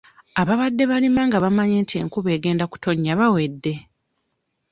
Ababadde balima nga bamanyi nti enkuba egenda kutonnya bawedde.